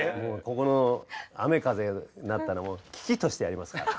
ここの雨風になったらもう喜々としてやりますから。